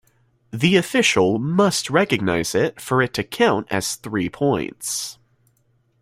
The official must recognize it for it to count as three points.